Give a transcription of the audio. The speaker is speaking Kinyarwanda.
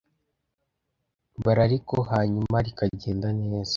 Barariko hanyuma rikagenda neza